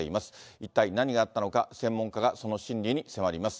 一体何があったのか、専門家がその心理に迫ります。